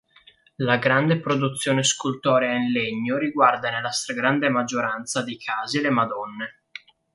La grande produzione scultorea in legno riguarda nella stragrande maggioranza dei casi le Madonne.